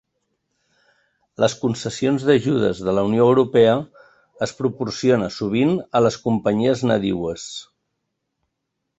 Les concessions d'ajudes de la Unió Europea es proporciona sovint a les companyies nadiues.